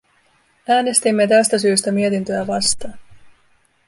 Äänestimme tästä syystä mietintöä vastaan.